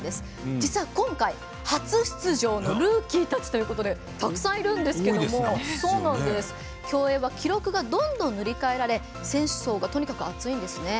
実は今回、初出場のルーキーたちということでたくさんいるんですけども競泳は記録がどんどん塗り替えられ選手層がとにかく厚いんですね。